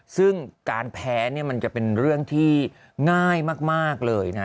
ซึ่งการแพ้เนี่ยมันจะเป็นเรื่องที่ง่ายมากเลยนะ